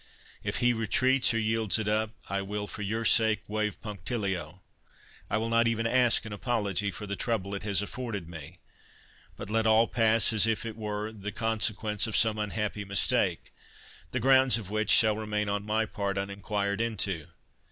If he retreats or yields it up, I will, for your sake, wave punctilio. I will not even ask an apology for the trouble it has afforded me, but let all pass as if it were the consequence of some unhappy mistake, the grounds of which shall remain on my part unenquired into.